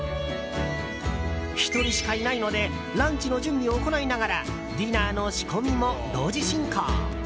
１人しかいないのでランチの準備を行いながらディナーの仕込みも同時進行。